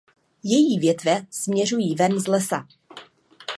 Její větve směřují ven z lesa.